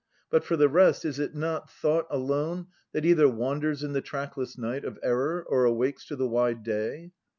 But for the rest, is it not Thought alone That either wanders in the trackless night Of Error or awakes to the wide day?